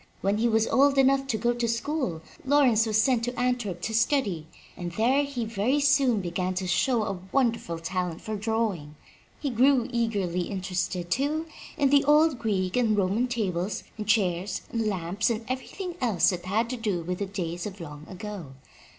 When he was old enough to go to school Lawrence was sent to Antwerp to study, and there he very soon began to show a wonderful talent for drawing. He grew eagerly interested, too, in old Greek and Roman tables and chairs and lamps and everything else that had to do with the days of long ago.